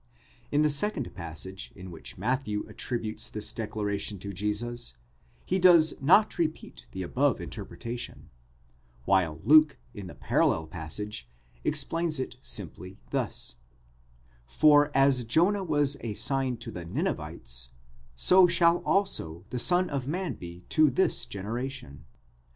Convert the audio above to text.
In the second passage, in which Matthew attributes this declaration to Jesus, he does not repeat the above interpretation ; while Luke, in the parallel passage, explains it simply thus : for as Jonah was a sign to the Ninevites, so shall also the Son of man be to this generation.